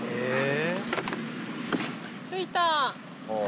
着いた！